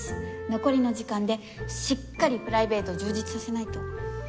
残りの時間でしっかりプライベートを充実させないと。